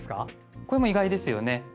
これも意外ですよね。